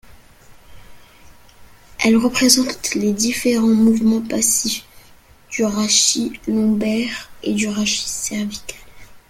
Elle représente les différents mouvements passifs du rachis lombaire et du rachis cervical.